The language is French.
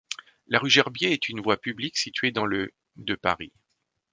La rue Gerbier est une voie publique située dans le de Paris.